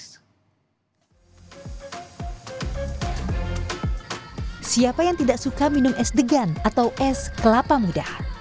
siapa yang tidak suka minum es degan atau es kelapa muda